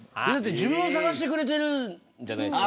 自分を捜してくれてるんじゃないですか。